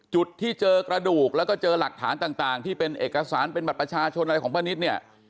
จุดที่เจอกระดูกแล้วก็เจอหลักฐานต่างที่เป็นเอกสารเป็นบัตรประชาชนอะไรของป้านิตเนี่ย